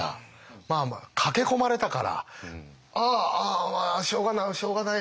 まあまあ駆け込まれたからああああまあしょうがないしょうがない